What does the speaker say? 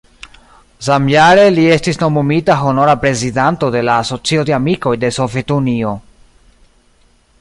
Samjare li estis nomumita honora prezidanto de la Asocio de Amikoj de Sovetunio.